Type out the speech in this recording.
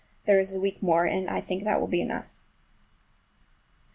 There is a week more, and I think that will be enough.